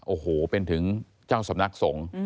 โอโหเป็นถึงเจ้าสำนักทรง